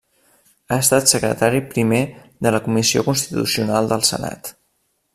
Ha estat secretari primer de la Comissió Constitucional del Senat.